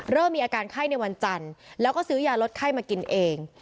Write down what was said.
เริ่มมีอาการไข้ในวันจันทร์แล้วก็ซื้อยาลดไข้มากินเอง